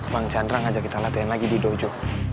bang chandra ngajak kita latihan lagi di dojo